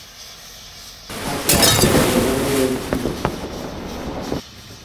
Kati ate ononye ki?